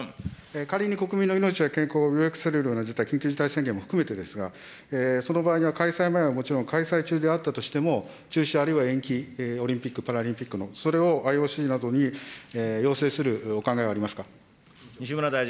仮に国民の命や健康を脅かされるような事態、緊急事態宣言も含めてですが、その場合には開催前はもちろん、開催中であったとしても、中止あるいは延期、オリンピック・パラリンピックの、それをＩＯＣなどに要請するお考えはありますか。